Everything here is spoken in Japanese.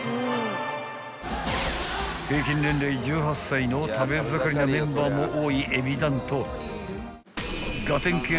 ［平均年齢１８歳の食べ盛りなメンバーも多いＥＢｉＤＡＮと］